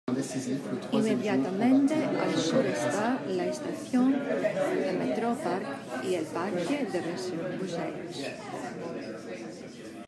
Inmediatamente al sur está la estación de metro Parc y el Parque de Bruselas.